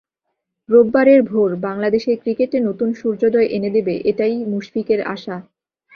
রোববারের ভোর বাংলাদেশের ক্রিকেটে নতুন সূর্যোদয় এনে দেবে, এটাই মুশফিকের আশা।